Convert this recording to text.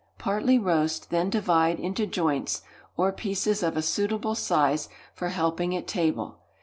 Partly roast, then divide into joints, or pieces of a suitable size for helping at table.